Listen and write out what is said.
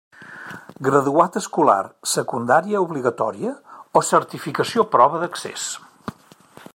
Graduat escolar secundària obligatòria o certificació prova d'accés.